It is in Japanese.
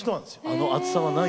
あの熱さはない？